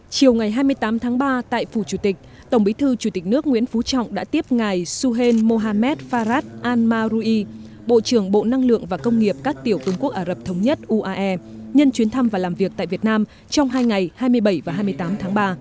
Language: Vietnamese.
chiều ngày hai mươi tám tháng ba tại phủ chủ tịch tổng bí thư chủ tịch nước nguyễn phú trọng đã tiếp ngài suhen mohamed farad al maroui bộ trưởng bộ năng lượng và công nghiệp các tiểu công quốc ả rập thống nhất uae nhân chuyến thăm và làm việc tại việt nam trong hai ngày hai mươi bảy và hai mươi tám tháng ba